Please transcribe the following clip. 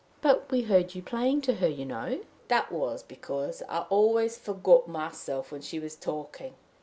"But we heard you playing to her, you know." "That was because I always forgot myself while she was talking.